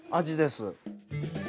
味です。